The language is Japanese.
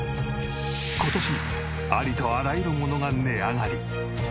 今年ありとあらゆるものが値上がり。